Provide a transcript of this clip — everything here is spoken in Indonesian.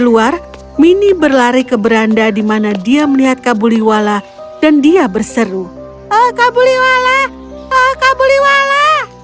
luar mini berlari ke beranda dimana dia melihat kabuliwala dan dia berseru kabuliwala kabuliwala